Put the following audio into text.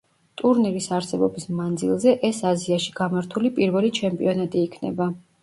ტურნირის არსებობის მანძილზე ეს აზიაში გამართული პირველი ჩემპიონატი იქნება.